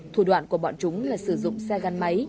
thủ đoạn của bọn chúng là sử dụng xe gắn máy